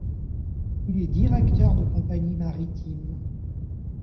Il est directeur de compagnie maritime.